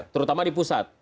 terutama di pusat